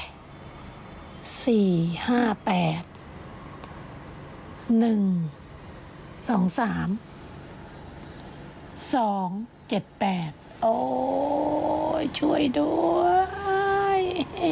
โอ้โหช่วยด้วย